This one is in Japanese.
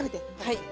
はい。